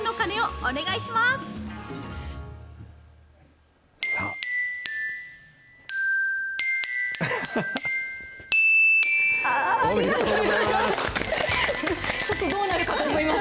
おめでとうございます。